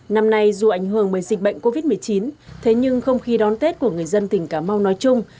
năm nay dù ảnh hưởng bởi dịch bệnh covid một mươi chín thế nhưng không khí đón tết của người dân tỉnh cà mau nói chung